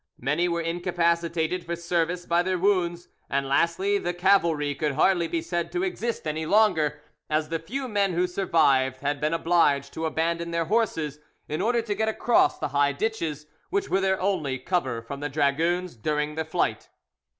Many were incapacitated for service by their wounds; and lastly, the cavalry could hardly be said to exist any longer, as the few men who survived had been obliged to abandon their horses, in order to get across the high ditches which were their only cover from the dragoons during the flight.